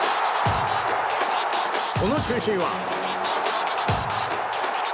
その中心は。